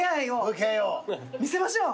見せましょう。